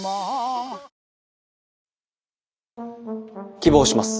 希望します。